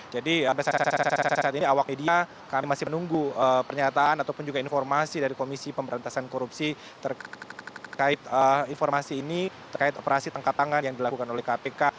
jadi sampai saat ini awak media kami masih menunggu pernyataan ataupun juga informasi dari komisi pemberantasan korupsi terkait informasi ini terkait operasi tangkap tangan yang dilakukan oleh kpk